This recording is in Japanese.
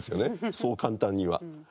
そう簡単には。